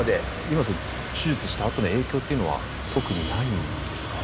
今手術したあとの影響っていうのは特にないんですか？